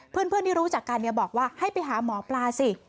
เพื่อนที่รู้จักกันบอกว่าให้ไปหาหมอปลาสิ